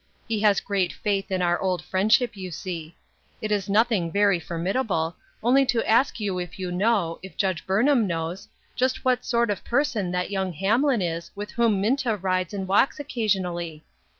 He has great faith in our old friendship, you see. It is nothing very for midable ; only to ask you if you know, if Judge Burnham knows, just what sort of person that young Hamlin is with whom Minta rides and walks occasionally